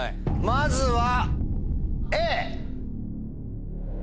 まずはＡ。